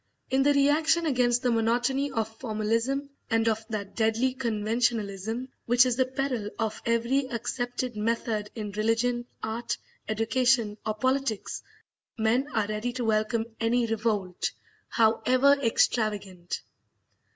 In the reaction against the monotony of formalism and of that deadly conventionalism which is the peril of every accepted method in religion, art, education, or politics, men are ready to welcome any revolt, however extravagant.